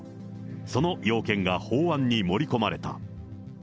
その要件が法案に盛り込まれた。